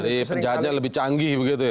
jadi penjahatannya lebih canggih begitu ya